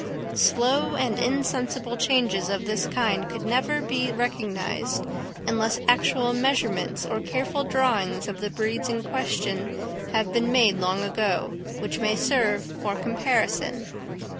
Slow and insensible changes of this kind could never be recognised unless actual measurements or careful drawings of the breeds in question have been made long ago, which may serve for comparison.